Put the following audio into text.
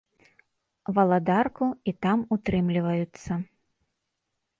Валадарку і там утрымліваюцца.